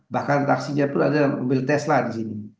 bahkan taksinya pun ada mobil tesla di sini